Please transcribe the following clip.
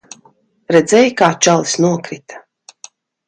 Redzēji, kā čalis nokrita?